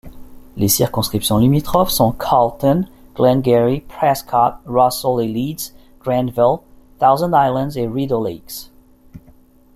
Les circonscriptions limitrophes sont Carleton, Glengarry—Prescott—Russell et Leeds—Grenville—Thousand Islands et Rideau Lakes.